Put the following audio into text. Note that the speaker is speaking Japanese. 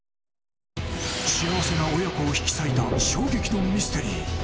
幸せな親子を引き裂いた衝撃のミステリー。